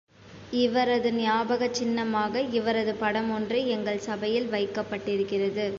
இவரது ஞாபகச் சின்னமாக இவரது படமொன்று எங்கள் சபையில் வைக்கப்பட்டிருக்கிறது.